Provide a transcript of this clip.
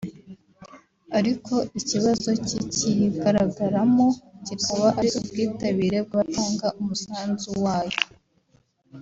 ariko ikibazo kikiyigaragaramo kikaba ari ubwitabire bw’abatanga umusanzu wayo